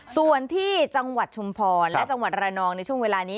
ส่วนที่จังหวัดชุมพรและจังหวัดระนองในช่วงเวลานี้